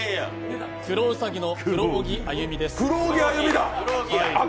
クロウサギの黒荻歩です。